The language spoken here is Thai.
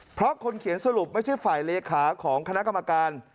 เพราะคนเขียนสรุปไม่ใช่ฝ่ายเลขาของคณะกรรมการ